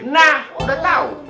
nah udah tau